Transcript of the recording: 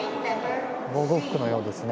防護服のようですね。